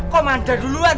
kok manda duluan